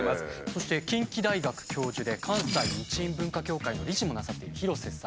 そして近畿大学教授で関西日印文化協会の理事もなさっている広瀬さん。